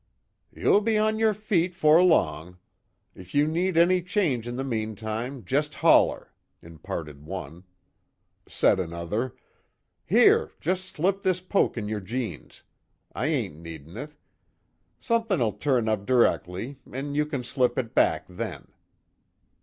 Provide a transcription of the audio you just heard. "You'll be on yer feet agin, 'fore long. If you need any change in the meantime, just holler," imparted one. Said another: "Here, jest slip this poke in yer jeans. I ain't needin' it. Somethin'll turn up d'rectly, an' you can slip it back then."